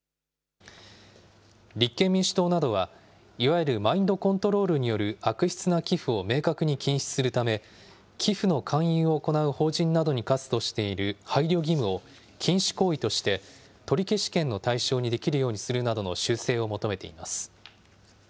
立憲民主党などは、いわゆるマインドコントロールによる悪質な寄付を明確に禁止するため、寄付の勧誘を行う法人などに科すとしている配慮義務を禁止行為として、取消権の対象にできるようにするなどの修正を求めています。